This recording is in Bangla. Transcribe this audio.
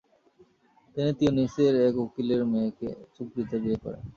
তিনি তিউনিসের এক উকিলের মেয়েকে চুক্তিতে বিয়ে করেন।